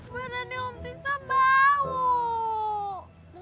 badannya om tisna bau